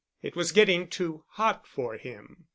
It was getting too hot for him."